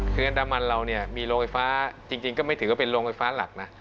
คืออันดามันเราเนี่ยมีโรงไฟฟ้าจริงก็ไม่ถือว่าเป็นโรงไฟฟ้าหลักนะ